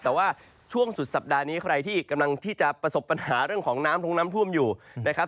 แต่ว่าช่วงสุดสัปดาห์นี้ใครที่กำลังที่จะประสบปัญหาเรื่องของน้ำทงน้ำท่วมอยู่นะครับ